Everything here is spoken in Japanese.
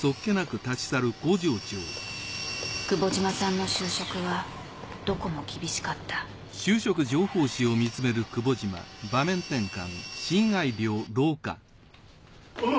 久保島さんの就職はどこも厳しかったうわっ！